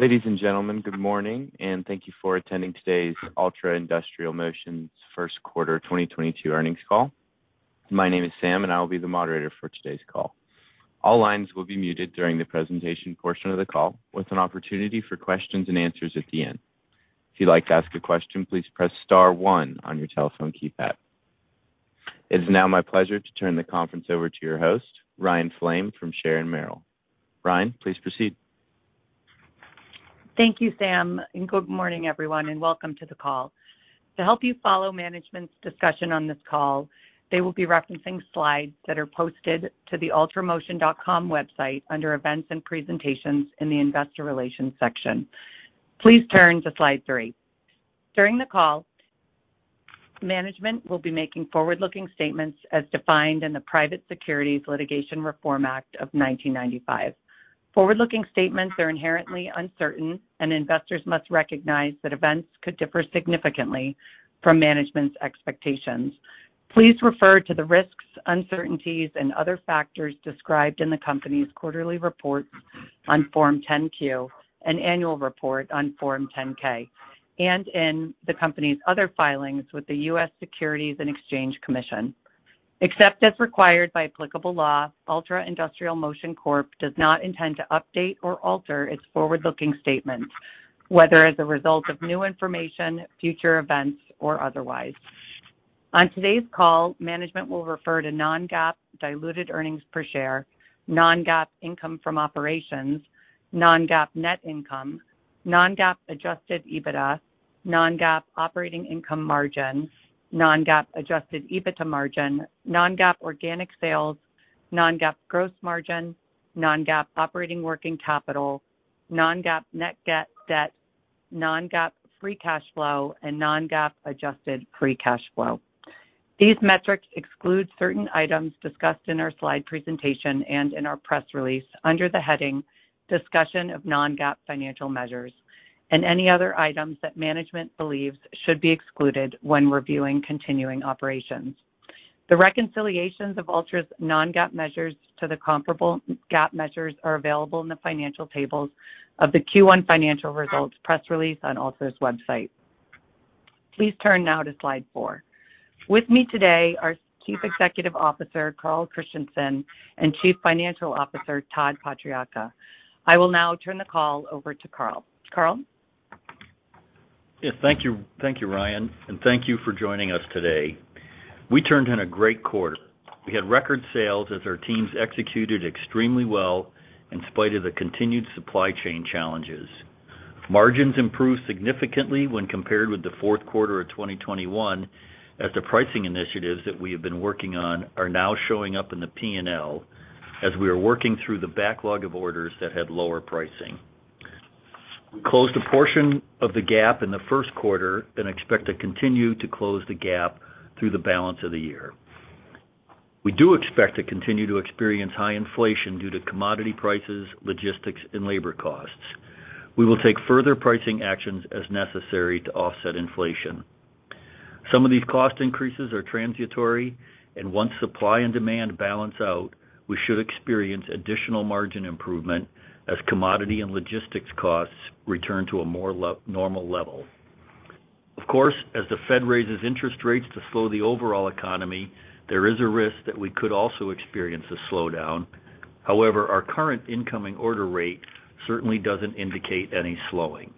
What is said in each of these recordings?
Ladies and gentlemen, good morning, and thank you for attending today's Altra Industrial Motion's First Quarter 2022 Earnings Call. My name is Sam, and I will be the moderator for today's call. All lines will be muted during the presentation portion of the call with an opportunity for questions and answers at the end. If you'd like to ask a question, please press star one on your telephone keypad. It is now my pleasure to turn the conference over to your host, Ryan Flaim from Sharon Merrill. Ryan, please proceed. Thank you, Sam, and good morning, everyone, and welcome to the call. To help you follow management's discussion on this call, they will be referencing slides that are posted to the altramotion.com website under Events and Presentations in the Investor Relations section. Please turn to slide 3. During the call, management will be making forward-looking statements as defined in the Private Securities Litigation Reform Act of 1995. Forward-looking statements are inherently uncertain, and investors must recognize that events could differ significantly from management's expectations. Please refer to the risks, uncertainties, and other factors described in the company's quarterly report on Form 10-Q and annual report on Form 10-K and in the company's other filings with the US Securities and Exchange Commission. Except as required by applicable law, Altra Industrial Motion Corp does not intend to update or alter its forward-looking statements, whether as a result of new information, future events, or otherwise. On today's call, management will refer to non-GAAP diluted earnings per share, non-GAAP income from operations, non-GAAP net income, non-GAAP adjusted EBITDA, non-GAAP operating income margin, non-GAAP adjusted EBITDA margin, non-GAAP organic sales, non-GAAP gross margin, non-GAAP operating working capital, non-GAAP net debt, non-GAAP free cash flow, and non-GAAP adjusted free cash flow. These metrics exclude certain items discussed in our slide presentation and in our press release under the heading Discussion of Non-GAAP Financial Measures and any other items that management believes should be excluded when reviewing continuing operations. The reconciliations of Altra's non-GAAP measures to the comparable GAAP measures are available in the financial tables of the Q1 financial results press release on Altra's website. Please turn now to slide 4. With me today are Chief Executive Officer Carl Christenson, and Chief Financial Officer Todd Patriacca. I will now turn the call over to Carl. Carl? Yeah, thank you. Thank you, Ryan. Thank you for joining us today. We turned in a great quarter. We had record sales as our teams executed extremely well in spite of the continued supply chain challenges. Margins improved significantly when compared with the fourth quarter of 2021 as the pricing initiatives that we have been working on are now showing up in the P&L as we are working through the backlog of orders that had lower pricing. We closed a portion of the gap in the first quarter and expect to continue to close the gap through the balance of the year. We do expect to continue to experience high inflation due to commodity prices, logistics, and labor costs. We will take further pricing actions as necessary to offset inflation. Some of these cost increases are transitory, and once supply and demand balance out, we should experience additional margin improvement as commodity and logistics costs return to a more normal level. Of course, as the Fed raises interest rates to slow the overall economy, there is a risk that we could also experience a slowdown. However, our current incoming order rate certainly doesn't indicate any slowing.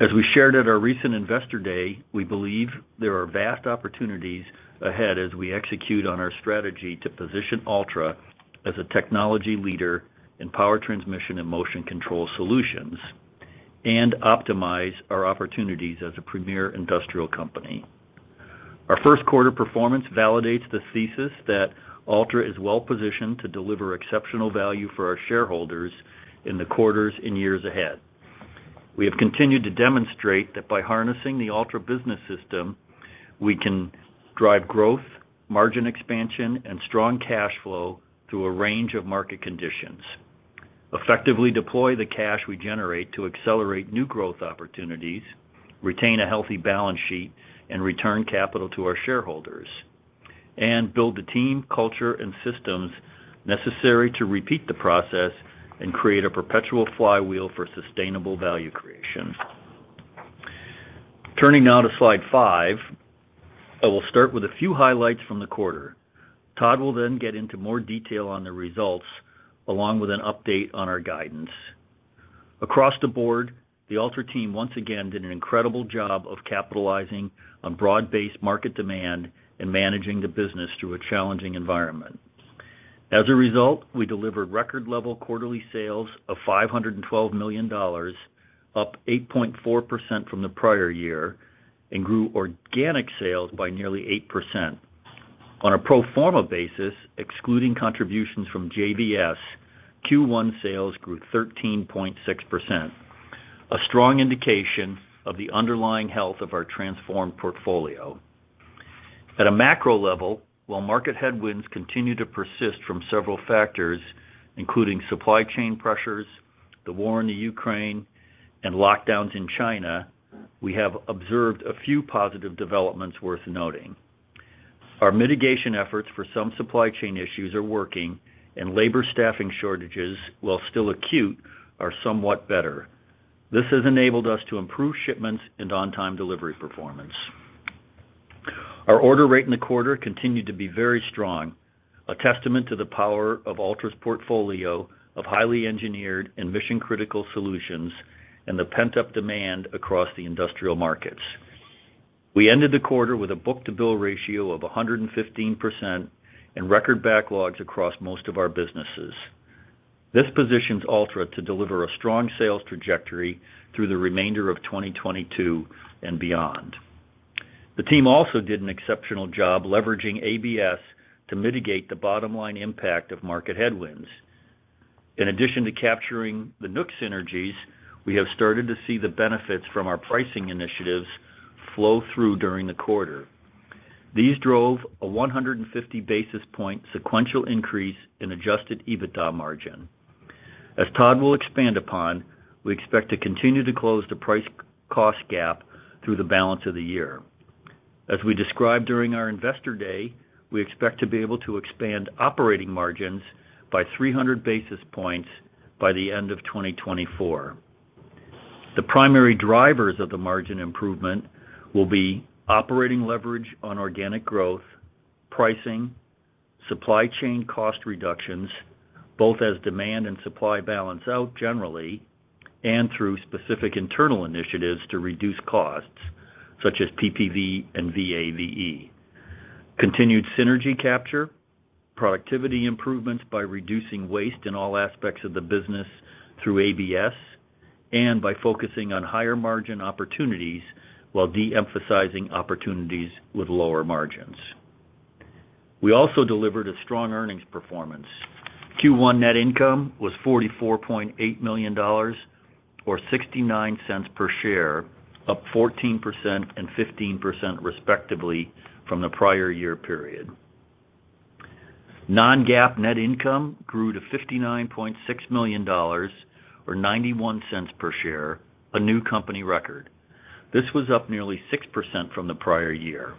As we shared at our recent Investor Day, we believe there are vast opportunities ahead as we execute on our strategy to position Altra as a technology leader in power transmission and motion control solutions and optimize our opportunities as a premier industrial company. Our first quarter performance validates the thesis that Altra is well-positioned to deliver exceptional value for our shareholders in the quarters and years ahead. We have continued to demonstrate that by harnessing the Altra Business System, we can drive growth, margin expansion, and strong cash flow through a range of market conditions, effectively deploy the cash we generate to accelerate new growth opportunities, retain a healthy balance sheet and return capital to our shareholders, and build the team, culture, and systems necessary to repeat the process and create a perpetual flywheel for sustainable value creation. Turning now to slide five, I will start with a few highlights from the quarter. Todd will then get into more detail on the results along with an update on our guidance. Across the board, the Altra team once again did an incredible job of capitalizing on broad-based market demand and managing the business through a challenging environment. As a result, we delivered record-level quarterly sales of $512 million, up 8.4% from the prior year, and grew organic sales by nearly 8%. On a pro forma basis, excluding contributions from JVS, Q1 sales grew 13.6%, a strong indication of the underlying health of our transformed portfolio. At a macro level, while market headwinds continue to persist from several factors, including supply chain pressures, the war in Ukraine, and lockdowns in China, we have observed a few positive developments worth noting. Our mitigation efforts for some supply chain issues are working and labor staffing shortages, while still acute, are somewhat better. This has enabled us to improve shipments and on-time delivery performance. Our order rate in the quarter continued to be very strong, a testament to the power of Altra's portfolio of highly engineered and mission-critical solutions and the pent-up demand across the industrial markets. We ended the quarter with a book-to-bill ratio of 115% and record backlogs across most of our businesses. This positions Altra to deliver a strong sales trajectory through the remainder of 2022 and beyond. The team also did an exceptional job leveraging ABS to mitigate the bottom-line impact of market headwinds. In addition to capturing the Nook synergies, we have started to see the benefits from our pricing initiatives flow through during the quarter. These drove a 150 basis point sequential increase in adjusted EBITDA margin. As Todd will expand upon, we expect to continue to close the price cost gap through the balance of the year. As we described during our Investor Day, we expect to be able to expand operating margins by 300 basis points by the end of 2024. The primary drivers of the margin improvement will be operating leverage on organic growth, pricing, supply chain cost reductions, both as demand and supply balance out generally and through specific internal initiatives to reduce costs, such as PPV and VAVE, continued synergy capture, productivity improvements by reducing waste in all aspects of the business through ABS, and by focusing on higher-margin opportunities while de-emphasizing opportunities with lower margins. We also delivered a strong earnings performance. Q1 net income was $44.8 million or $0.69 per share, up 14% and 15% respectively from the prior year period. Non-GAAP net income grew to $59.6 million or $0.91 per share, a new company record. This was up nearly 6% from the prior year.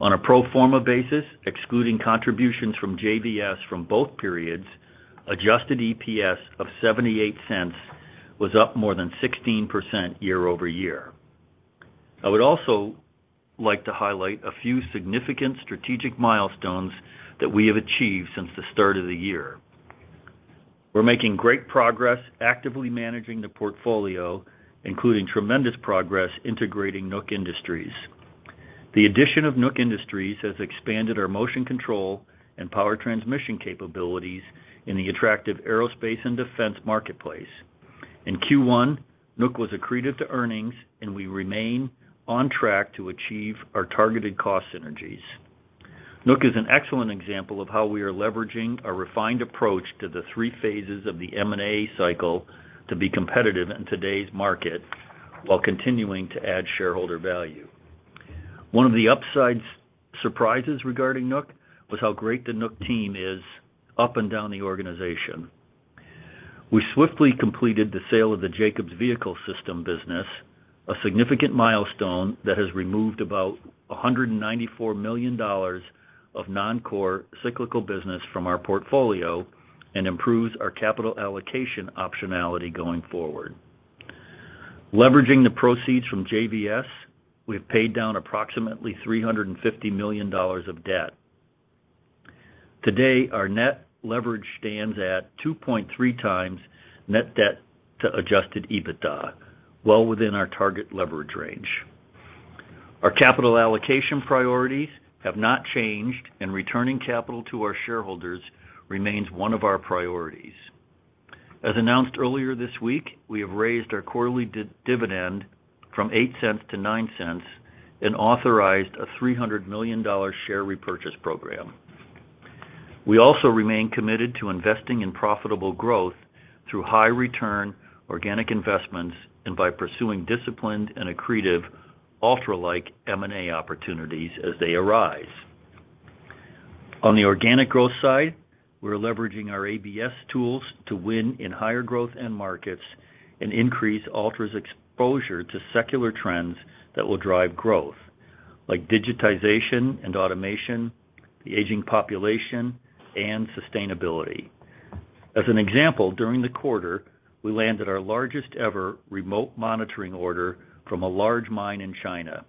On a pro forma basis, excluding contributions from JVS from both periods, adjusted EPS of $0.78 was up more than 16% year-over-year. I would also like to highlight a few significant strategic milestones that we have achieved since the start of the year. We're making great progress actively managing the portfolio, including tremendous progress integrating Nook Industries. The addition of Nook Industries has expanded our motion control and power transmission capabilities in the attractive aerospace and defense marketplace. In Q1, Nook was accretive to earnings, and we remain on track to achieve our targeted cost synergies. Nook is an excellent example of how we are leveraging a refined approach to the three phases of the M&A cycle to be competitive in today's market while continuing to add shareholder value. One of the upside surprises regarding Nook was how great the Nook team is up and down the organization. We swiftly completed the sale of the Jacobs Vehicle Systems business, a significant milestone that has removed about $194 million of non-core cyclical business from our portfolio and improves our capital allocation optionality going forward. Leveraging the proceeds from JVS, we've paid down approximately $350 million of debt. Today, our net leverage stands at 2.3x net debt to adjusted EBITDA, well within our target leverage range. Our capital allocation priorities have not changed, and returning capital to our shareholders remains one of our priorities. As announced earlier this week, we have raised our quarterly dividend from $0.08-$0.09 and authorized a $300 million share repurchase program. We also remain committed to investing in profitable growth through high-return organic investments and by pursuing disciplined and accretive Altra-like M&A opportunities as they arise. On the organic growth side, we're leveraging our ABS tools to win in higher growth end markets and increase Altra's exposure to secular trends that will drive growth like digitization and automation, the aging population, and sustainability. As an example, during the quarter, we landed our largest-ever remote monitoring order from a large mine in China.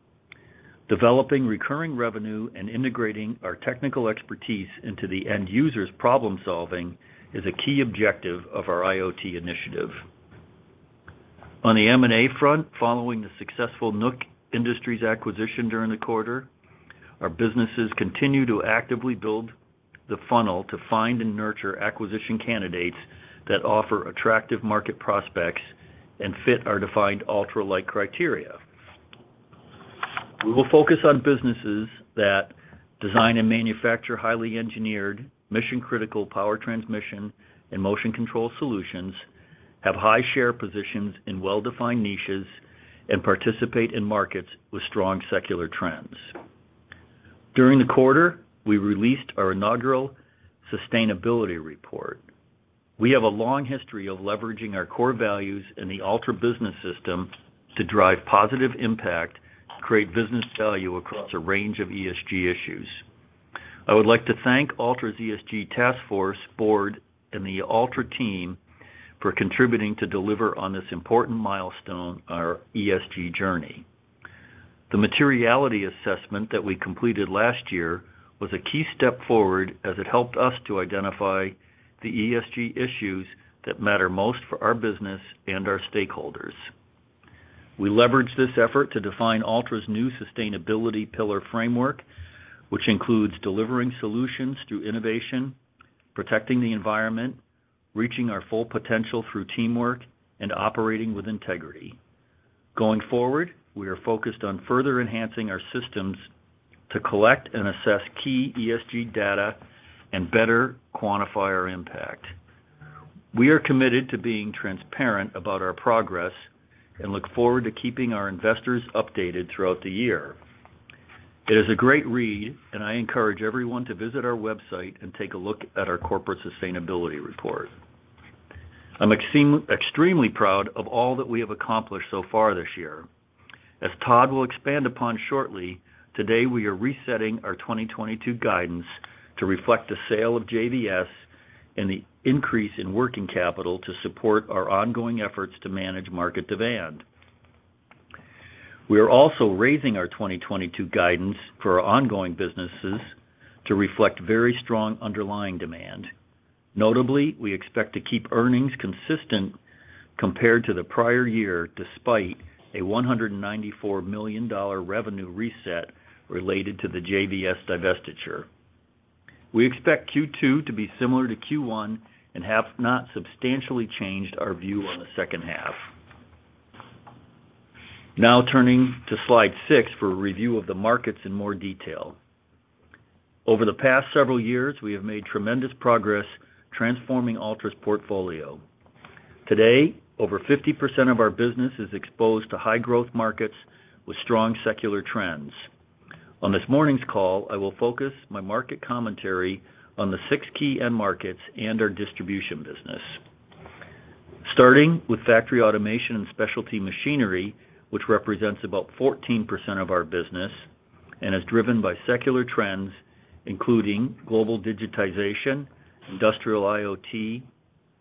Developing recurring revenue and integrating our technical expertise into the end user's problem-solving is a key objective of our IoT initiative. On the M&A front, following the successful Nook Industries acquisition during the quarter, our businesses continue to actively build the funnel to find and nurture acquisition candidates that offer attractive market prospects and fit our defined Altra-like criteria. We will focus on businesses that design and manufacture highly engineered mission-critical power transmission and motion control solutions, have high share positions in well-defined niches, and participate in markets with strong secular trends. During the quarter, we released our inaugural sustainability report. We have a long history of leveraging our core values in the Altra Business System to drive positive impact, create business value across a range of ESG issues. I would like to thank Altra's ESG task force, board, and the Altra team for contributing to deliver on this important milestone, our ESG journey. The materiality assessment that we completed last year was a key step forward as it helped us to identify the ESG issues that matter most for our business and our stakeholders. We leveraged this effort to define Altra's new sustainability pillar framework, which includes delivering solutions through innovation, protecting the environment, reaching our full potential through teamwork, and operating with integrity. Going forward, we are focused on further enhancing our systems to collect and assess key ESG data and better quantify our impact. We are committed to being transparent about our progress and look forward to keeping our investors updated throughout the year. It is a great read, and I encourage everyone to visit our website and take a look at our corporate sustainability report. I'm extremely proud of all that we have accomplished so far this year. As Todd will expand upon shortly, today we are resetting our 2022 guidance to reflect the sale of JVS and the increase in working capital to support our ongoing efforts to manage market demand. We are also raising our 2022 guidance for our ongoing businesses to reflect very strong underlying demand. Notably, we expect to keep earnings consistent compared to the prior year, despite a $194 million revenue reset related to the JVS divestiture. We expect Q2 to be similar to Q1 and have not substantially changed our view on the second half. Now turning to slide 6 for a review of the markets in more detail. Over the past several years, we have made tremendous progress transforming Altra's portfolio. Today, over 50% of our business is exposed to high-growth markets with strong secular trends. On this morning's call, I will focus my market commentary on the six key end markets and our distribution business. Starting with factory automation and specialty machinery, which represents about 14% of our business and is driven by secular trends, including global digitization, industrial IoT,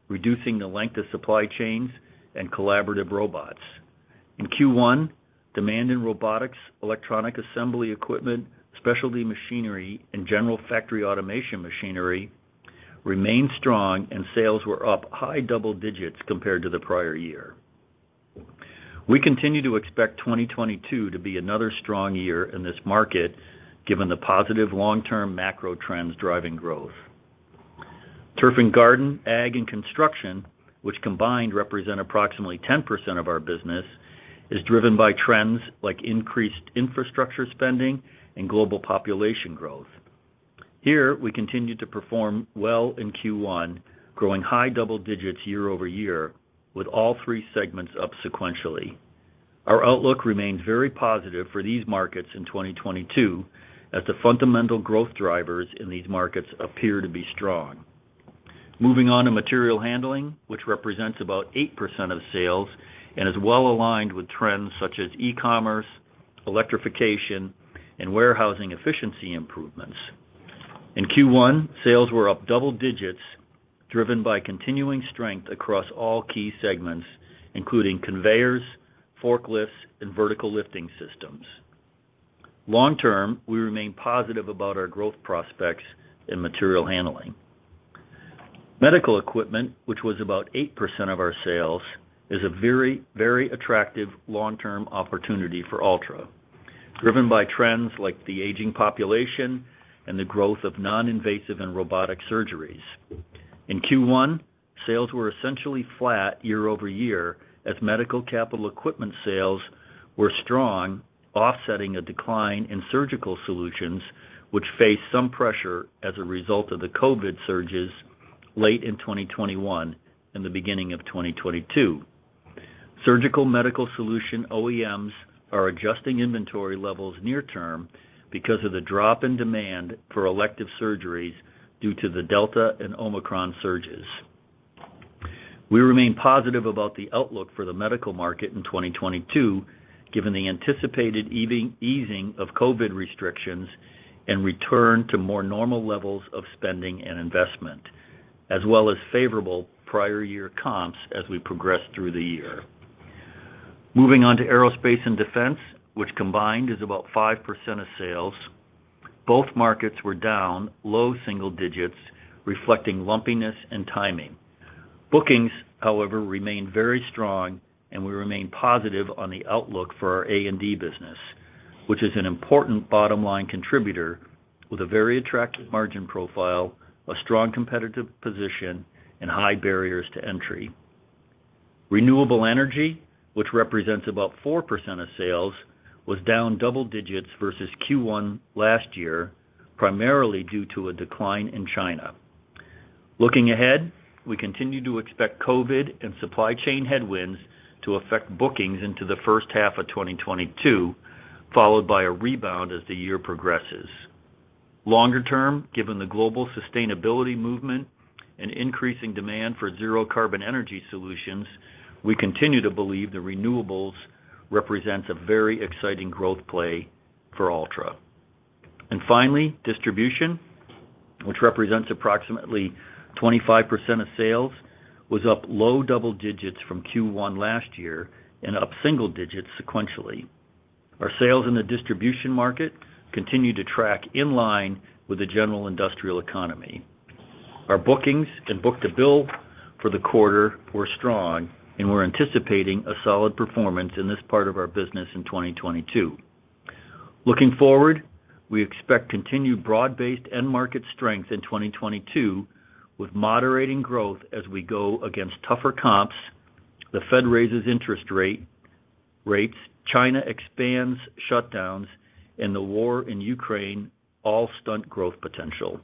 reducing the length of supply chains, and collaborative robots. In Q1, demand in robotics, electronic assembly equipment, specialty machinery, and general factory automation machinery remained strong and sales were up high double digits compared to the prior year. We continue to expect 2022 to be another strong year in this market given the positive long-term macro trends driving growth. Turf and garden, ag and construction, which combined represent approximately 10% of our business, is driven by trends like increased infrastructure spending and global population growth. Here, we continued to perform well in Q1, growing high double digits year-over-year with all three segments up sequentially. Our outlook remains very positive for these markets in 2022 as the fundamental growth drivers in these markets appear to be strong. Moving on to material handling, which represents about 8% of sales and is well aligned with trends such as e-commerce, electrification, and warehousing efficiency improvements. In Q1, sales were up double digits, driven by continuing strength across all key segments, including conveyors, forklifts, and vertical lifting systems. Long-term, we remain positive about our growth prospects in material handling. Medical equipment, which was about 8% of our sales, is a very, very attractive long-term opportunity for Altra, driven by trends like the aging population and the growth of non-invasive and robotic surgeries. In Q1, sales were essentially flat year-over-year as medical capital equipment sales were strong, offsetting a decline in surgical solutions, which faced some pressure as a result of the COVID surges late in 2021 and the beginning of 2022. Surgical medical solution OEMs are adjusting inventory levels near-term because of the drop in demand for elective surgeries due to the Delta and Omicron surges. We remain positive about the outlook for the medical market in 2022, given the anticipated easing of COVID restrictions and return to more normal levels of spending and investment, as well as favorable prior-year comps as we progress through the year. Moving on to aerospace and defense, which combined is about 5% of sales. Both markets were down low single digits, reflecting lumpiness and timing. Bookings, however, remained very strong and we remain positive on the outlook for our A&D business, which is an important bottom line contributor with a very attractive margin profile, a strong competitive position, and high barriers to entry. Renewable energy, which represents about 4% of sales, was down double digits versus Q1 last year, primarily due to a decline in China. Looking ahead, we continue to expect COVID and supply chain headwinds to affect bookings into the first half of 2022, followed by a rebound as the year progresses. Longer term, given the global sustainability movement and increasing demand for zero carbon energy solutions, we continue to believe the renewables represents a very exciting growth play for Altra. Finally, distribution, which represents approximately 25% of sales, was up low double digits from Q1 last year and up single digits sequentially. Our sales in the distribution market continue to track in line with the general industrial economy. Our bookings and book-to-bill for the quarter were strong, and we're anticipating a solid performance in this part of our business in 2022. Looking forward, we expect continued broad-based end market strength in 2022, with moderating growth as we go against tougher comps, the Fed raises interest rates, China expands shutdowns, and the war in Ukraine all stunt growth potential.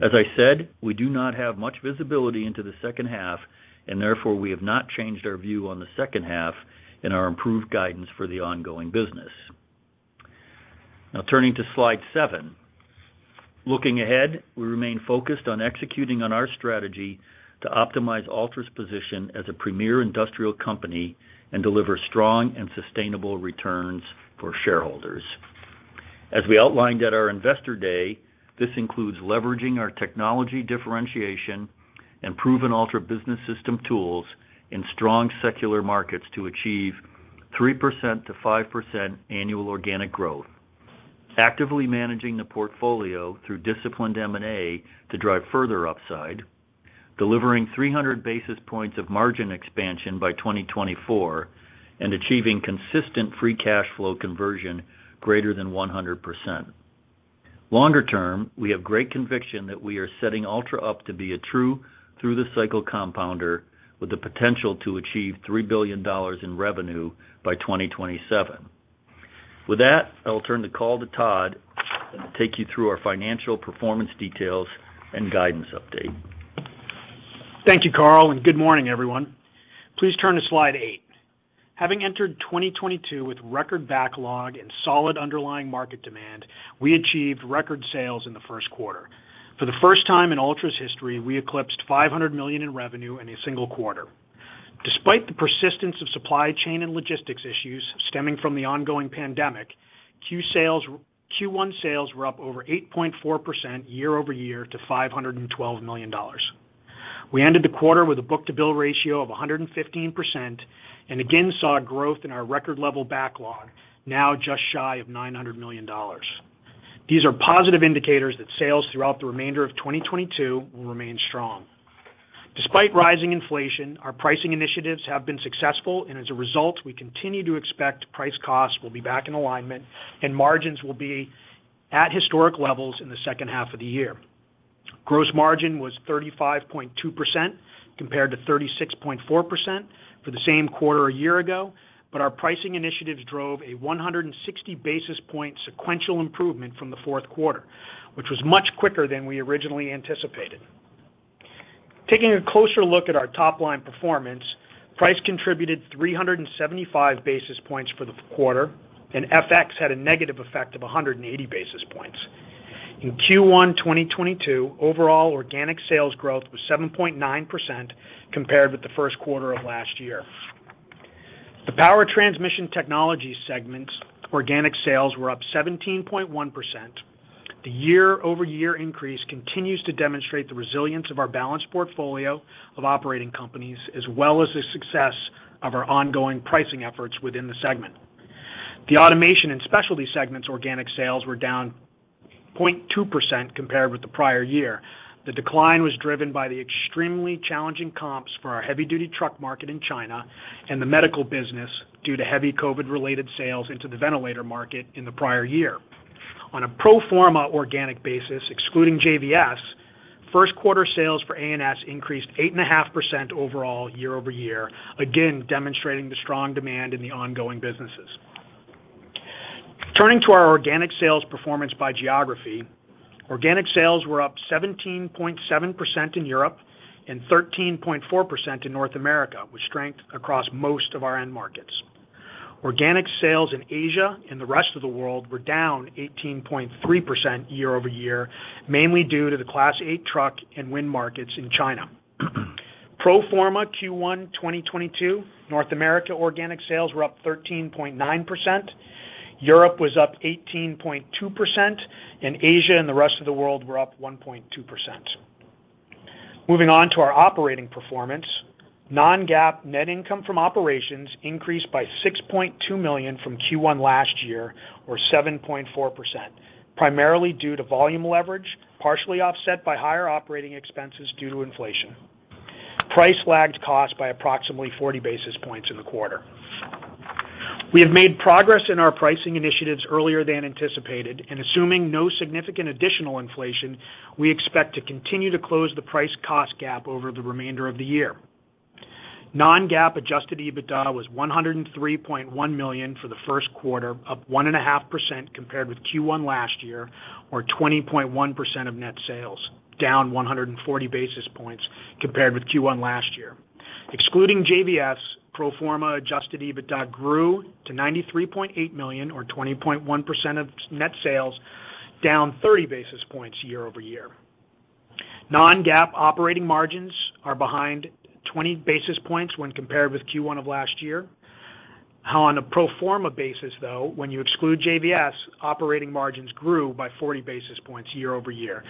As I said, we do not have much visibility into the second half, and therefore, we have not changed our view on the second half in our improved guidance for the ongoing business. Now turning to slide 7. Looking ahead, we remain focused on executing on our strategy to optimize Altra's position as a premier industrial company and deliver strong and sustainable returns for shareholders. As we outlined at our Investor Day, this includes leveraging our technology differentiation and proven Altra Business System tools in strong secular markets to achieve 3%-5% annual organic growth. Actively managing the portfolio through disciplined M&A to drive further upside, delivering 300 basis points of margin expansion by 2024, and achieving consistent free cash flow conversion greater than 100%. Longer term, we have great conviction that we are setting Altra up to be a true through-the-cycle compounder with the potential to achieve $3 billion in revenue by 2027. With that, I'll turn the call to Todd, and he'll take you through our financial performance details and guidance update. Thank you, Carl, and good morning, everyone. Please turn to slide 8. Having entered 2022 with record backlog and solid underlying market demand, we achieved record sales in the first quarter. For the first time in Altra's history, we eclipsed $500 million in revenue in a single quarter. Despite the persistence of supply chain and logistics issues stemming from the ongoing pandemic, Q1 sales were up over 8.4% year over year to $512 million. We ended the quarter with a book-to-bill ratio of 115%, and again saw growth in our record-level backlog, now just shy of $900 million. These are positive indicators that sales throughout the remainder of 2022 will remain strong. Despite rising inflation, our pricing initiatives have been successful, and as a result, we continue to expect price costs will be back in alignment and margins will be at historic levels in the second half of the year. Gross margin was 35.2% compared to 36.4% for the same quarter a year ago, but our pricing initiatives drove a 160 basis point sequential improvement from the fourth quarter, which was much quicker than we originally anticipated. Taking a closer look at our top-line performance, price contributed 375 basis points for the quarter, and FX had a negative effect of 180 basis points. In Q1 2022, overall organic sales growth was 7.9% compared with the first quarter of last year. The Power Transmission Technologies segment's organic sales were up 17.1%. The year-over-year increase continues to demonstrate the resilience of our balanced portfolio of operating companies, as well as the success of our ongoing pricing efforts within the segment. The Automation & Specialty segment's organic sales were down 0.2% compared with the prior year. The decline was driven by the extremely challenging comps for our heavy-duty truck market in China and the medical business due to heavy COVID-related sales into the ventilator market in the prior year. On a pro forma organic basis, excluding JVS, first-quarter sales for A&S increased 8.5% overall year-over-year, again demonstrating the strong demand in the ongoing businesses. Turning to our organic sales performance by geography. Organic sales were up 17.7% in Europe and 13.4% in North America, with strength across most of our end markets. Organic sales in Asia and the rest of the world were down 18.3% year-over-year, mainly due to the Class 8 truck and wind markets in China. Pro forma Q1 2022, North America organic sales were up 13.9%, Europe was up 18.2%, and Asia and the rest of the world were up 1.2%. Moving on to our operating performance. Non-GAAP net income from operations increased by $6.2 million from Q1 last year or 7.4%, primarily due to volume leverage, partially offset by higher operating expenses due to inflation. Price lagged cost by approximately 40 basis points in the quarter. We have made progress in our pricing initiatives earlier than anticipated, and assuming no significant additional inflation, we expect to continue to close the price-cost gap over the remainder of the year. Non-GAAP adjusted EBITDA was $103.1 million for the first quarter, up 1.5% compared with Q1 last year or 20.1% of net sales, down 140 basis points compared with Q1 last year. Excluding JVS, pro forma adjusted EBITDA grew to $93.8 million or 20.1% of net sales, down 30 basis points year-over-year. Non-GAAP operating margins are behind 20 basis points when compared with Q1 of last year. On a pro forma basis, though, when you exclude JVS, operating margins grew by 40 basis points year-over-year,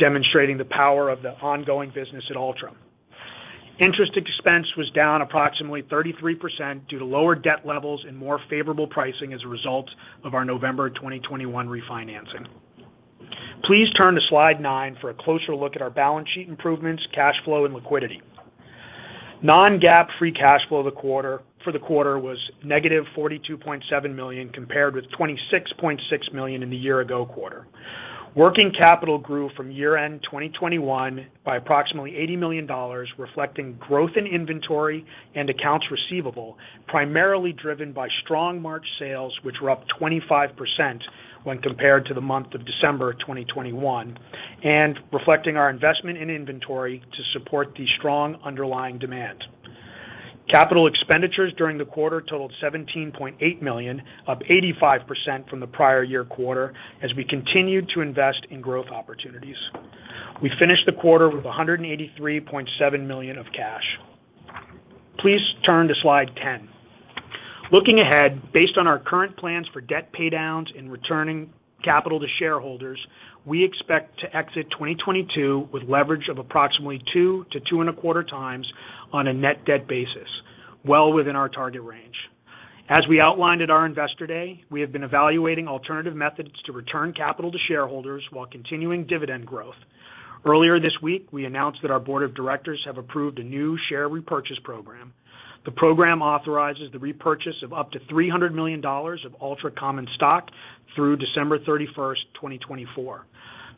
demonstrating the power of the ongoing business at Altra. Interest expense was down approximately 33% due to lower debt levels and more favorable pricing as a result of our November 2021 refinancing. Please turn to slide 9 for a closer look at our balance sheet improvements, cash flow, and liquidity. Non-GAAP free cash flow for the quarter was -$42.7 million compared with $26.6 million in the year-ago quarter. Working capital grew from year-end 2021 by approximately $80 million, reflecting growth in inventory and accounts receivable, primarily driven by strong March sales, which were up 25% when compared to the month of December 2021, and reflecting our investment in inventory to support the strong underlying demand. Capital expenditures during the quarter totaled $17.8 million, up 85% from the prior year quarter as we continued to invest in growth opportunities. We finished the quarter with $183.7 million of cash. Please turn to slide 10. Looking ahead, based on our current plans for debt paydowns and returning capital to shareholders, we expect to exit 2022 with leverage of approximately 2x-2.25x on a net debt basis, well within our target range. As we outlined at our Investor Day, we have been evaluating alternative methods to return capital to shareholders while continuing dividend growth. Earlier this week, we announced that our board of directors have approved a new share repurchase program. The program authorizes the repurchase of up to $300 million of Altra common stock through December 31st, 2024.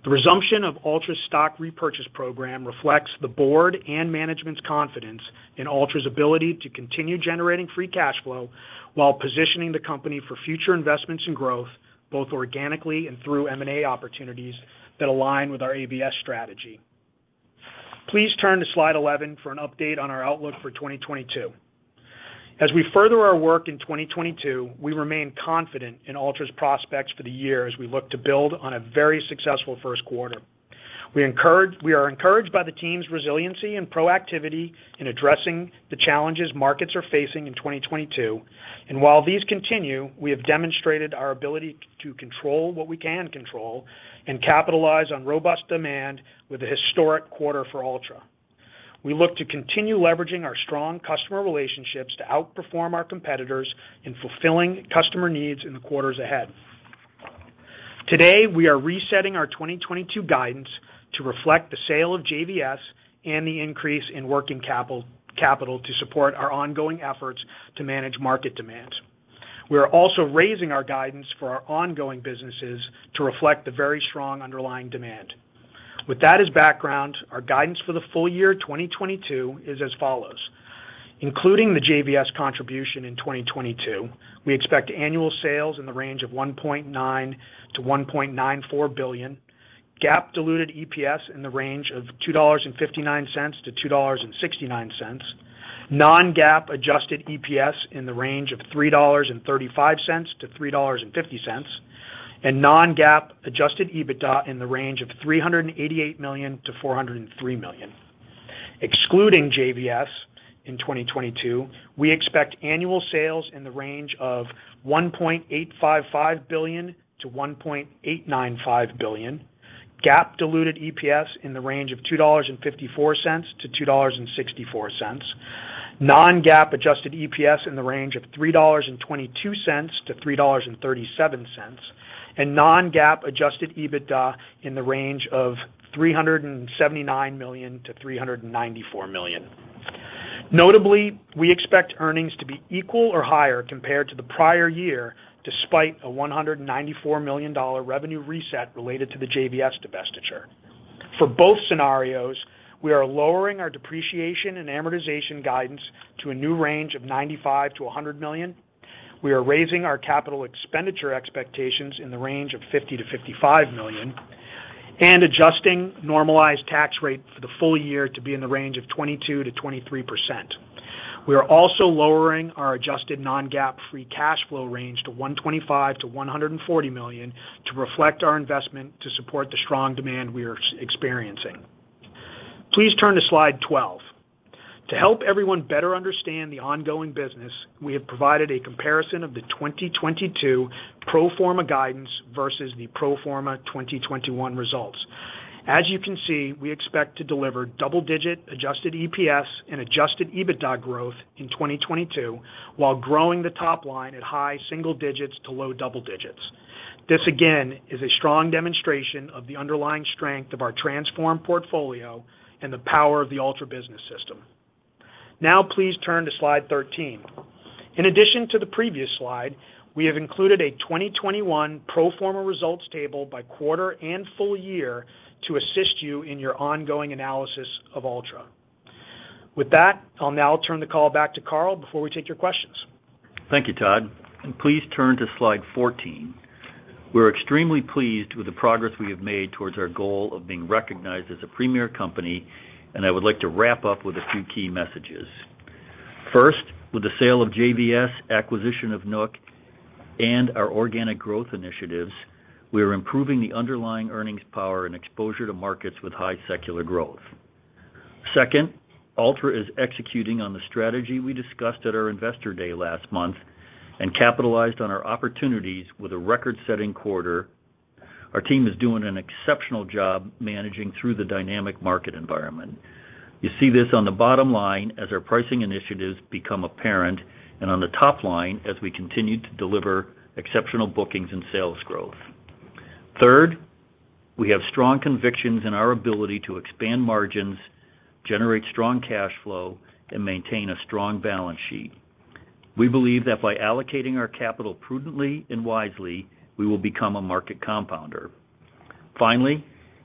The resumption of Altra's stock repurchase program reflects the board and management's confidence in Altra's ability to continue generating free cash flow while positioning the company for future investments and growth, both organically and through M&A opportunities that align with our ABS strategy. Please turn to slide 11 for an update on our outlook for 2022. As we further our work in 2022, we remain confident in Altra's prospects for the year as we look to build on a very successful first quarter. We are encouraged by the team's resiliency and proactivity in addressing the challenges markets are facing in 2022. While these continue, we have demonstrated our ability to control what we can control and capitalize on robust demand with a historic quarter for Altra. We look to continue leveraging our strong customer relationships to outperform our competitors in fulfilling customer needs in the quarters ahead. Today, we are resetting our 2022 guidance to reflect the sale of JVS and the increase in working capital to support our ongoing efforts to manage market demands. We are also raising our guidance for our ongoing businesses to reflect the very strong underlying demand. With that as background, our guidance for the full year 2022 is as follows. Including the JVS contribution in 2022, we expect annual sales in the range of $1.9 billion-$1.94 billion, GAAP diluted EPS in the range of $2.59-$2.69, non-GAAP adjusted EPS in the range of $3.35-$3.50, and non-GAAP adjusted EBITDA in the range of $388 million-$403 million. Excluding JVS in 2022, we expect annual sales in the range of $1.855 billion-$1.895 billion, GAAP diluted EPS in the range of $2.54-$2.64, non-GAAP adjusted EPS in the range of $3.22-$3.37, and non-GAAP adjusted EBITDA in the range of $379 million-$394 million. Notably, we expect earnings to be equal or higher compared to the prior year, despite a $194 million revenue reset related to the JVS divestiture. For both scenarios, we are lowering our depreciation and amortization guidance to a new range of $95 million-$100 million. We are raising our capital expenditure expectations in the range of $50 million-$55 million and adjusting normalized tax rate for the full year to be in the range of 22%-23%. We are also lowering our adjusted non-GAAP free cash flow range to $125 million-$140 million to reflect our investment to support the strong demand we are experiencing. Please turn to slide 12. To help everyone better understand the ongoing business, we have provided a comparison of the 2022 pro forma guidance versus the pro forma 2021 results. As you can see, we expect to deliver double-digit adjusted EPS and adjusted EBITDA growth in 2022 while growing the top line at high single digits to low double digits. This again is a strong demonstration of the underlying strength of our transformed portfolio and the power of the Altra Business System. Now, please turn to slide 13. In addition to the previous slide, we have included a 2021 pro forma results table by quarter and full year to assist you in your ongoing analysis of Altra. With that, I'll now turn the call back to Carl before we take your questions. Thank you, Todd. Please turn to slide 14. We're extremely pleased with the progress we have made towards our goal of being recognized as a premier company, and I would like to wrap up with a few key messages. First, with the sale of JVS, acquisition of Nook, and our organic growth initiatives, we are improving the underlying earnings power and exposure to markets with high secular growth. Second, Altra is executing on the strategy we discussed at our Investor Day last month and capitalized on our opportunities with a record-setting quarter. Our team is doing an exceptional job managing through the dynamic market environment. You see this on the bottom line as our pricing initiatives become apparent, and on the top line as we continue to deliver exceptional bookings and sales growth. Third, we have strong convictions in our ability to expand margins, generate strong cash flow, and maintain a strong balance sheet. We believe that by allocating our capital prudently and wisely, we will become a market compounder. Finally,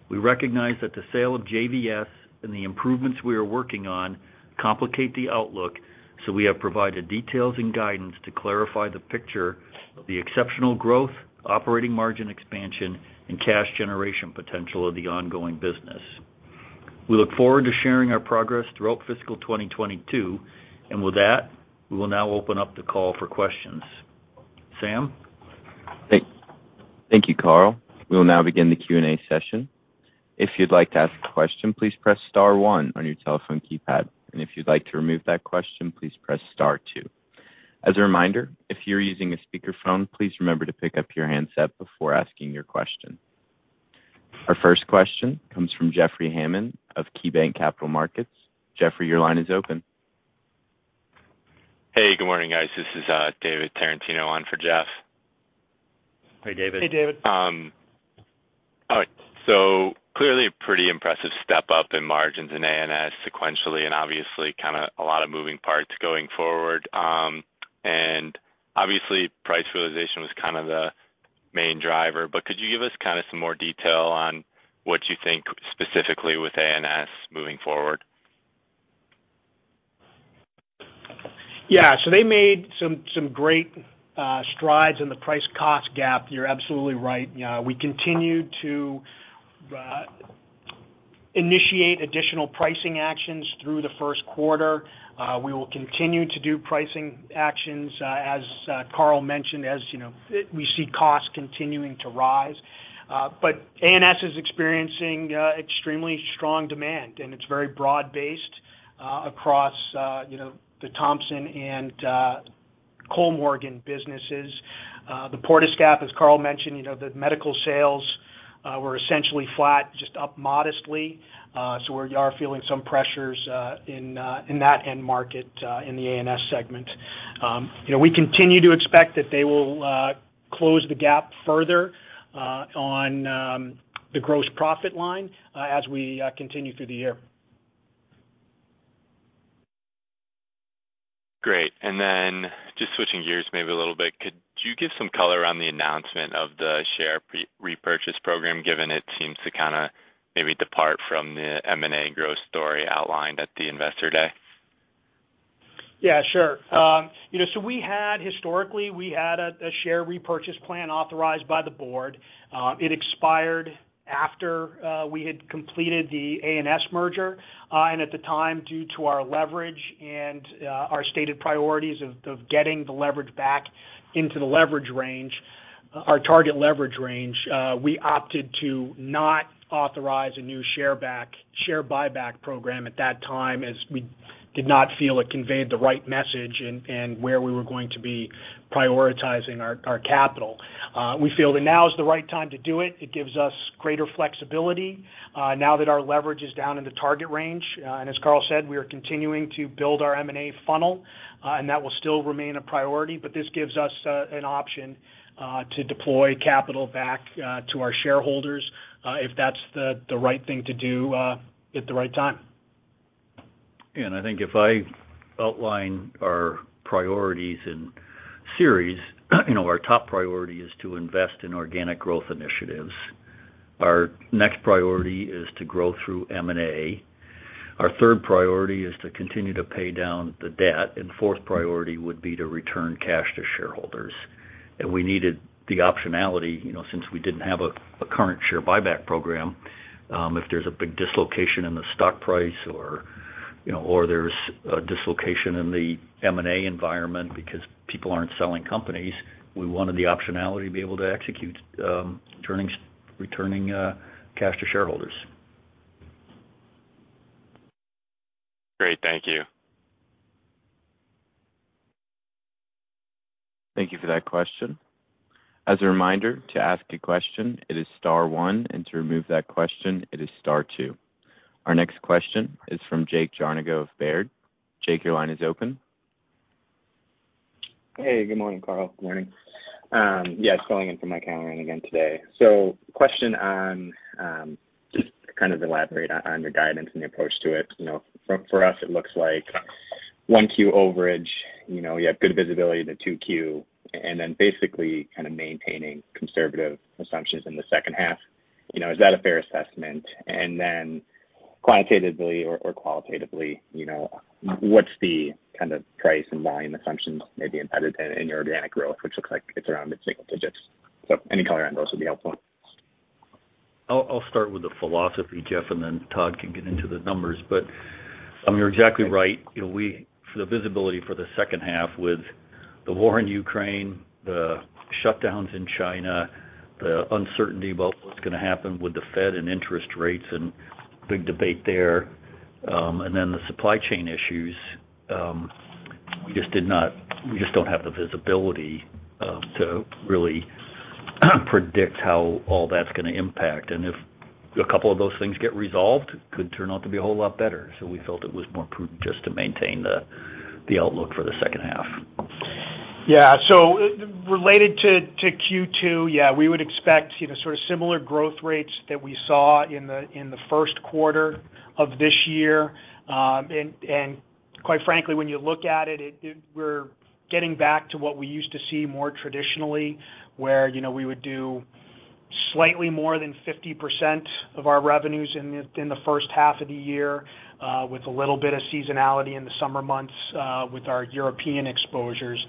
we recognize that the sale of JVS and the improvements we are working on complicate the outlook, so we have provided details and guidance to clarify the picture of the exceptional growth, operating margin expansion, and cash generation potential of the ongoing business. We look forward to sharing our progress throughout fiscal 2022. With that, we will now open up the call for questions. Sam? Thank you, Carl. We will now begin the Q&A session. If you'd like to ask a question, please press star one on your telephone keypad. If you'd like to remove that question, please press star two. As a reminder, if you're using a speakerphone, please remember to pick up your handset before asking your question. Our first question comes from Jeffrey Hammond of KeyBanc Capital Markets. Jeffrey, your line is open. Hey, good morning, guys. This is David Tarantino on for Jeff. Hey, David. Hey, David. Clearly a pretty impressive step-up in margins in A&S sequentially, and obviously kind of a lot of moving parts going forward. Obviously, price realization was kind of the main driver. Could you give us kind of some more detail on what you think specifically with A&S moving forward? Yeah. They made some great strides in the price-cost gap. You're absolutely right. We continue to initiate additional pricing actions through the first quarter. We will continue to do pricing actions, as Carl mentioned, as you know, we see costs continuing to rise. But A&S is experiencing extremely strong demand, and it's very broad-based across you know, the Thomson and Kollmorgen businesses. The Portescap, as Carl mentioned, you know, the medical sales were essentially flat, just up modestly. We are feeling some pressures in that end market in the A&S segment. You know, we continue to expect that they will close the gap further on the gross profit line as we continue through the year. Great. Just switching gears maybe a little bit. Could you give some color on the announcement of the share repurchase program, given it seems to kind of maybe depart from the M&A growth story outlined at the Investor Day? Yeah, sure. You know, we had historically a share repurchase plan authorized by the board. It expired after we had completed the A&S merger, and at the time, due to our leverage and our stated priorities of getting the leverage back into the leverage range, our target leverage range, we opted to not authorize a new share buyback program at that time, as we did not feel it conveyed the right message in where we were going to be prioritizing our capital. We feel that now is the right time to do it. It gives us greater flexibility now that our leverage is down in the target range. As Carl said, we are continuing to build our M&A funnel, and that will still remain a priority. This gives us an option to deploy capital back to our shareholders if that's the right thing to do at the right time. I think if I outline our priorities in series, you know, our top priority is to invest in organic growth initiatives. Our next priority is to grow through M&A. Our third priority is to continue to pay down the debt, and fourth priority would be to return cash to shareholders. We needed the optionality, you know, since we didn't have a current share buyback program, if there's a big dislocation in the stock price or, you know, or there's a dislocation in the M&A environment because people aren't selling companies, we wanted the optionality to be able to execute, returning cash to shareholders. Great. Thank you. Thank you for that question. As a reminder, to ask a question, it is star one, and to remove that question, it is star two. Our next question is from Jake Jarnigo of Baird. Jake, your line is open. Hey, good morning, Carl. Good morning. Yeah, calling in from my car again today. Question on just to kind of elaborate on your guidance and your approach to it. You know, for us, it looks like 1Q overage. You know, you have good visibility to 2Q, and then basically kind of maintaining conservative assumptions in the second half. You know, is that a fair assessment? Then quantitatively or qualitatively, you know, what's the kind of price and volume assumptions maybe embedded in your organic growth, which looks like it's around mid-single digits. Any color on those would be helpful. I'll start with the philosophy, Jeff, and then Todd can get into the numbers. You're exactly right. You know, for the visibility for the second half with the war in Ukraine, the shutdowns in China, the uncertainty about what's gonna happen with the Fed and interest rates and big debate there, and then the supply chain issues, we just don't have the visibility to really predict how all that's gonna impact. If a couple of those things get resolved, could turn out to be a whole lot better. We felt it was more prudent just to maintain the outlook for the second half. Yeah. Related to Q2, we would expect, you know, sort of similar growth rates that we saw in the first quarter of this year. Quite frankly, when you look at it, we're getting back to what we used to see more traditionally, where, you know, we would do slightly more than 50% of our revenues in the first half of the year, with a little bit of seasonality in the summer months, with our European exposures.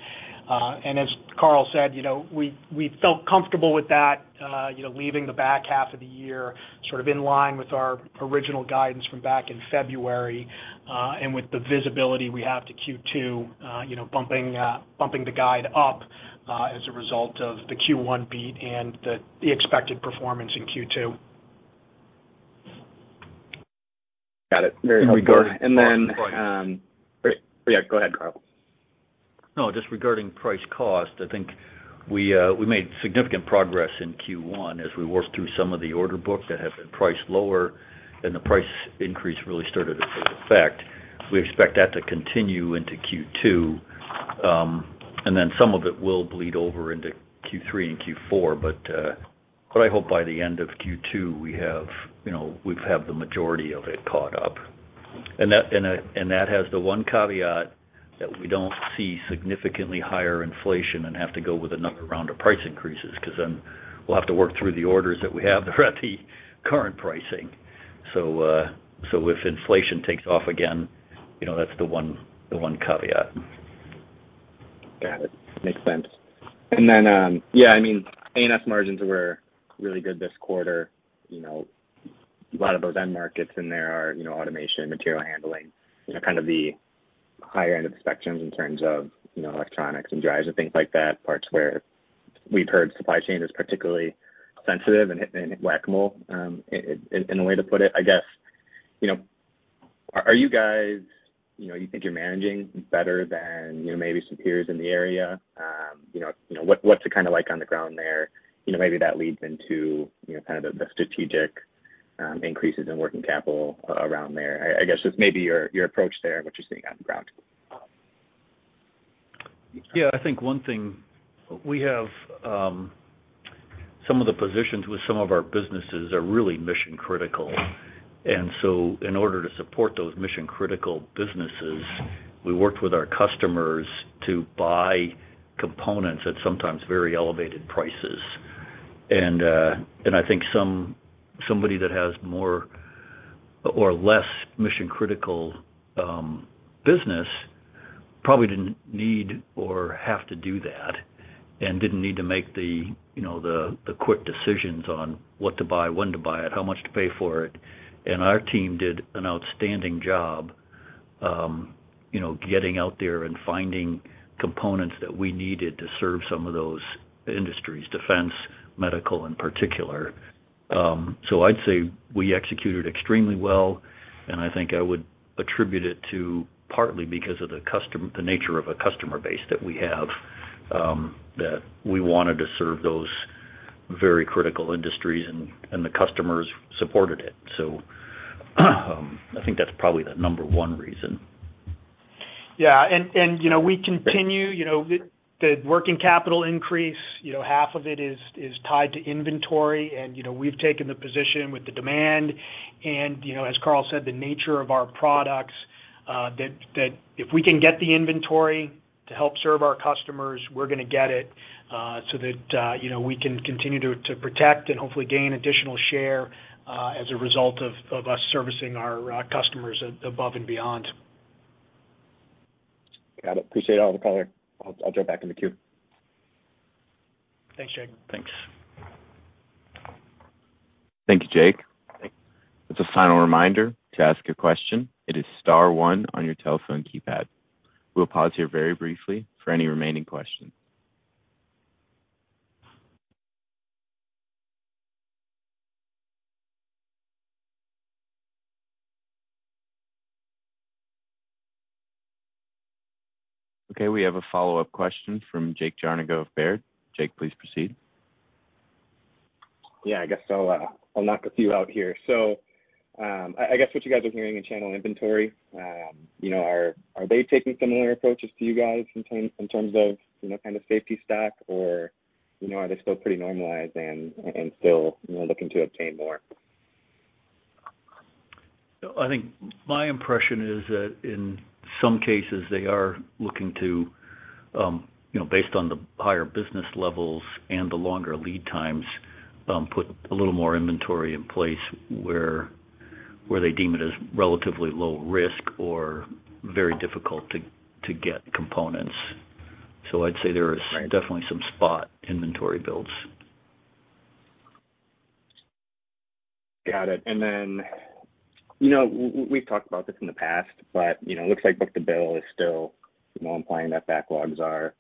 As Carl said, you know, we felt comfortable with that, you know, leaving the back half of the year sort of in line with our original guidance from back in February, and with the visibility we have to Q2, you know, bumping the guide up, as a result of the Q1 beat and the expected performance in Q2. Got it. Very helpful. Regarding- Go ahead, Carl. No, just regarding price cost, I think we made significant progress in Q1 as we worked through some of the order book that had been priced lower, and the price increase really started to take effect. We expect that to continue into Q2, and then some of it will bleed over into Q3 and Q4. I hope by the end of Q2, we have, you know, we've had the majority of it caught up. That has the one caveat that we don't see significantly higher inflation and have to go with another round of price increases, 'cause then we'll have to work through the orders that we have at the current pricing. If inflation takes off again, you know, that's the one caveat. Got it. Makes sense. Yeah, I mean, A&S margins were really good this quarter. You know, a lot of those end markets in there are, you know, automation, material handling, you know, kind of the higher end of the spectrums in terms of, you know, electronics and drives and things like that, parts where we've heard supply chain is particularly sensitive and whack-a-mole, in a way to put it. I guess, you know, are you guys, you know, you think you're managing better than, you know, maybe some peers in the area? You know, what's it kinda like on the ground there? You know, maybe that leads into, you know, kind of the strategic increases in working capital around there. I guess just maybe your approach there and what you're seeing on the ground. Yeah. I think one thing, we have some of the positions with some of our businesses are really mission critical. In order to support those mission-critical businesses, we worked with our customers to buy components at sometimes very elevated prices. I think somebody that has more or less mission-critical business probably didn't need or have to do that and didn't need to make the, you know, quick decisions on what to buy, when to buy it, how much to pay for it. Our team did an outstanding job, you know, getting out there and finding components that we needed to serve some of those industries, defense, medical in particular. I'd say we executed extremely well, and I think I would attribute it to partly because of the nature of a customer base that we have, that we wanted to serve those very critical industries, and the customers supported it. I think that's probably the number one reason. Yeah. You know, we continue. You know, the working capital increase, you know, half of it is tied to inventory. You know, we've taken the position with the demand. You know, as Carl said, the nature of our products, that if we can get the inventory to help serve our customers, we're gonna get it, so that you know, we can continue to protect and hopefully gain additional share, as a result of us servicing our customers above and beyond. Got it. Appreciate all the color. I'll jump back in the queue. Thanks, Jake. Thanks. Thank you, Jake. Just a final reminder, to ask a question, it is star one on your telephone keypad. We'll pause here very briefly for any remaining questions. Okay. We have a follow-up question from Jake Jarnigo of Baird. Jake, please proceed. Yeah. I guess I'll knock a few out here. I guess what you guys are hearing in channel inventory, you know, are they taking similar approaches to you guys in terms of, you know, kind of safety stock or, you know, are they still pretty normalized and still, you know, looking to obtain more? I think my impression is that in some cases they are looking to, you know, based on the higher business levels and the longer lead times, put a little more inventory in place where they deem it as relatively low risk or very difficult to get components. So I'd say there is. Right Definitely some spot inventory builds. Got it. Then, you know, we've talked about this in the past, but, you know, it looks like book-to-bill is still, you know, implying that backlogs are,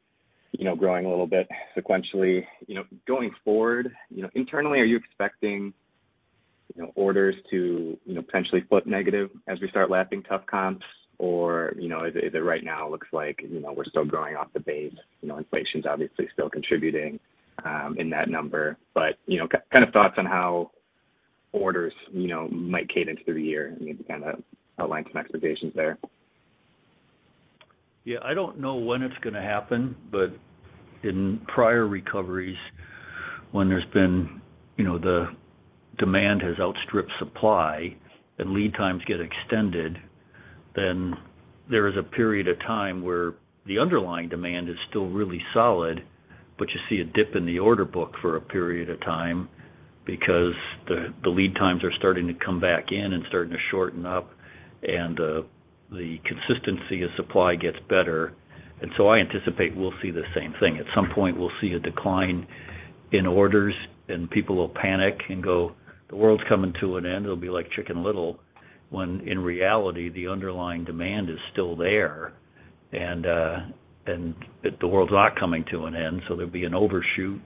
you know, growing a little bit sequentially. You know, going forward, you know, internally, are you expecting, you know, orders to, you know, potentially flip negative as we start lapping tough comps? Or, you know, is it right now looks like, you know, we're still growing off the base? You know, inflation's obviously still contributing in that number. You know, kind of thoughts on how orders, you know, might cadence through the year. I mean, to kind of outline some expectations there. Yeah, I don't know when it's gonna happen, but in prior recoveries when there's been, you know, the demand has outstripped supply and lead times get extended, then there is a period of time where the underlying demand is still really solid, but you see a dip in the order book for a period of time because the lead times are starting to come back in and starting to shorten up, and the consistency of supply gets better. I anticipate we'll see the same thing. At some point, we'll see a decline in orders, and people will panic and go, "The world's coming to an end." It'll be like Chicken Little when in reality the underlying demand is still there and the world's not coming to an end. There'll be an overshoot,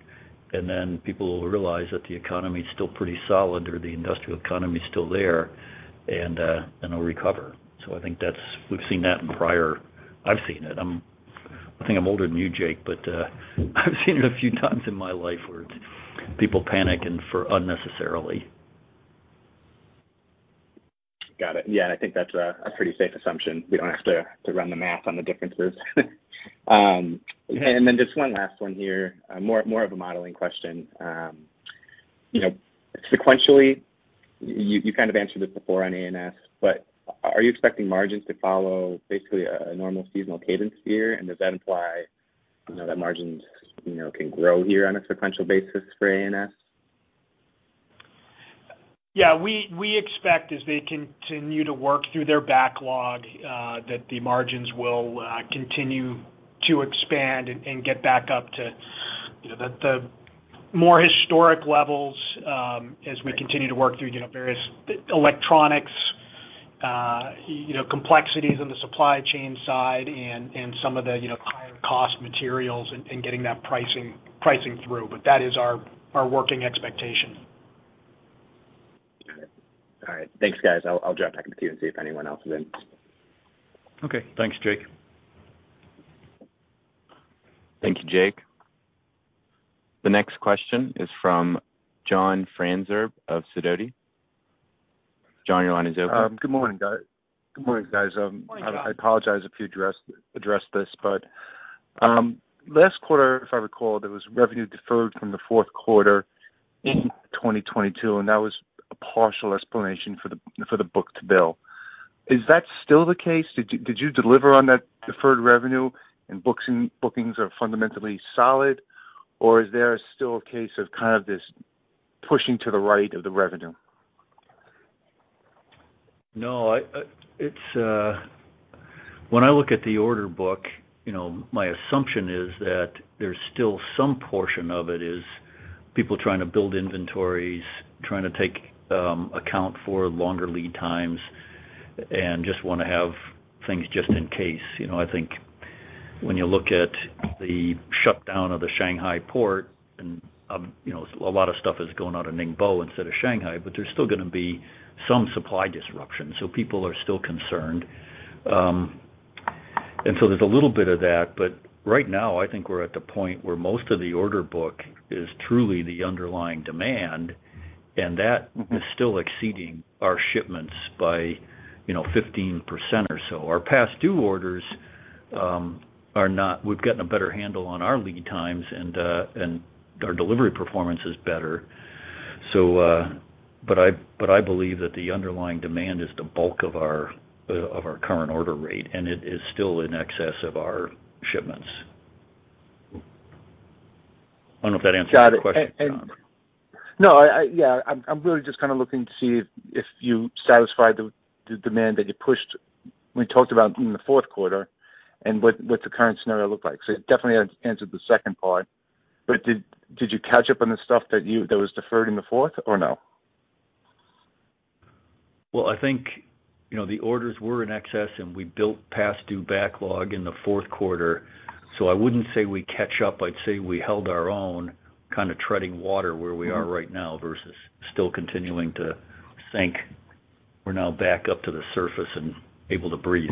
and then people will realize that the economy is still pretty solid or the industrial economy is still there and it'll recover. I think we've seen that in prior. I've seen it. I think I'm older than you, Jake, but I've seen it a few times in my life where people panic and fret unnecessarily. Got it. Yeah, and I think that's a pretty safe assumption. We don't have to run the math on the differences. Then just one last one here. More of a modeling question. You know, sequentially, you kind of answered this before on A&S, but are you expecting margins to follow basically a normal seasonal cadence here? And does that imply, you know, that margins, you know, can grow here on a sequential basis for A&S? Yeah. We expect as they continue to work through their backlog that the margins will continue to expand and get back up to, you know, the more historic levels as we continue to work through, you know, various electronics complexities on the supply chain side and some of the, you know, higher cost materials and getting that pricing through. That is our working expectation. Okay. All right. Thanks, guys. I'll drop back into queue and see if anyone else is in. Okay. Thanks, Jake. Thank you, Jake. The next question is from John Franzreb of Sidoti. John, your line is open. Good morning, guys. Good morning, John. I apologize if you addressed this, but last quarter, if I recall, there was revenue deferred from the fourth quarter in 2022, and that was a partial explanation for the book-to-bill. Is that still the case? Did you deliver on that deferred revenue and bookings are fundamentally solid, or is there still a case of kind of this pushing to the right of the revenue? No. When I look at the order book, you know, my assumption is that there's still some portion of it is people trying to build inventories, trying to take account for longer lead times and just wanna have things just in case. You know, I think when you look at the shutdown of the Shanghai port and, you know, a lot of stuff is going out of Ningbo instead of Shanghai, but there's still gonna be some supply disruption, so people are still concerned. There's a little bit of that. Right now, I think we're at the point where most of the order book is truly the underlying demand, and that is still exceeding our shipments by, you know, 15% or so. Our past due orders. We've gotten a better handle on our lead times and our delivery performance is better. I believe that the underlying demand is the bulk of our current order rate, and it is still in excess of our shipments. I don't know if that answers your question, John. Got it. No, yeah, I'm really just kind of looking to see if you satisfied the demand that you pushed when you talked about in the fourth quarter and what the current scenario looked like. You definitely answered the second part, but did you catch up on the stuff that was deferred in the fourth or no? Well, I think, you know, the orders were in excess, and we built past due backlog in the fourth quarter. I wouldn't say we catch up. I'd say we held our own, kind of treading water where we are right now, versus still continuing to sink. We're now back up to the surface and able to breathe.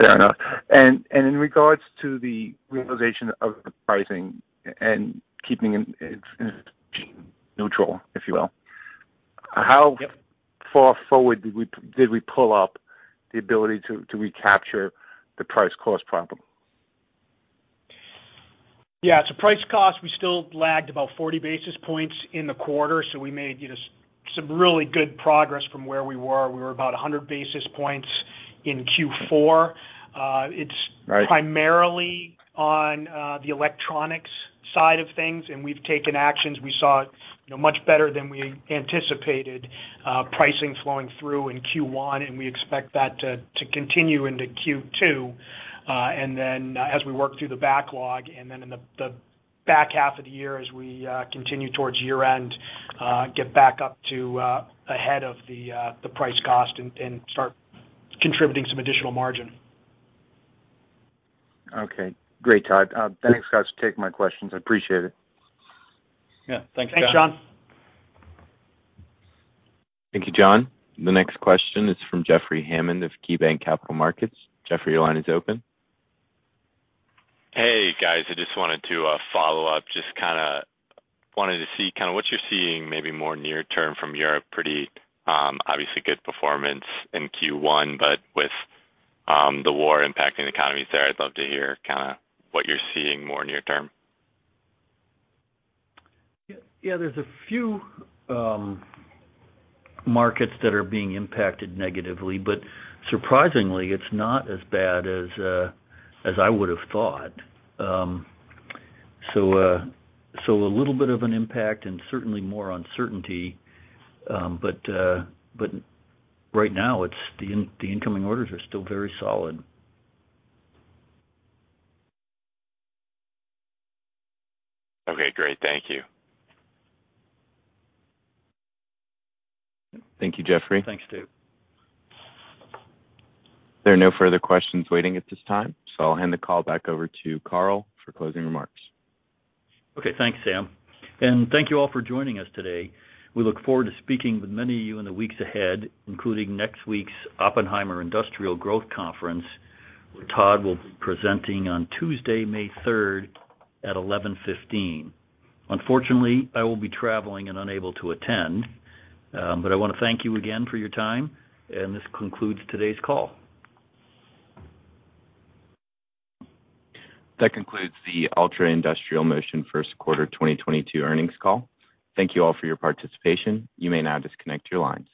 Fair enough. In regards to the realization of the pricing and keeping it neutral, if you will. How far forward did we pull up the ability to recapture the price cost problem? Yeah. Price cost, we still lagged about 40 basis points in the quarter, so we made, you know, some really good progress from where we were. We were about 100 basis points in Q4. Right It's primarily on the electronics side of things, and we've taken actions. We saw, you know, much better than we anticipated, pricing flowing through in Q1, and we expect that to continue into Q2. Then as we work through the backlog and then in the back half of the year as we continue towards year-end, get back up to ahead of the price cost and start contributing some additional margin. Okay. Great, Todd. Thanks, guys, for taking my questions. I appreciate it. Yeah. Thanks, John. Thanks, John. Thank you, John. The next question is from Jeffrey Hammond of KeyBanc Capital Markets. Jeffrey, your line is open. Hey, guys. I just wanted to follow up. Just kinda wanted to see kinda what you're seeing maybe more near term from Europe. Pretty obviously good performance in Q1, but with the war impacting the economies there, I'd love to hear kinda what you're seeing more near term. Yeah, there's a few markets that are being impacted negatively, but surprisingly, it's not as bad as I would've thought. A little bit of an impact and certainly more uncertainty. Right now, it's the incoming orders are still very solid. Okay, great. Thank you. Thank you, Jeffrey. Thanks, Steve. There are no further questions waiting at this time, so I'll hand the call back over to Carl for closing remarks. Okay. Thanks, Sam, and thank you all for joining us today. We look forward to speaking with many of you in the weeks ahead, including next week's Oppenheimer Industrial Growth Conference, where Todd will be presenting on Tuesday, May 3rd at 11:15 A.M. Unfortunately, I will be traveling and unable to attend, but I wanna thank you again for your time, and this concludes today's call. That concludes the Altra Industrial Motion First Quarter 2022 Earnings Call. Thank you all for your participation. You may now disconnect your lines.